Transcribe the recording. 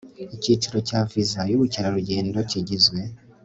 icyiciro cya viza y ubukerarugendo kigizwe